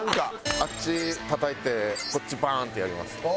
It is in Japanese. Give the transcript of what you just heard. あっちたたいてこっちバーンってやります。